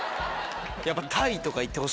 やっぱ。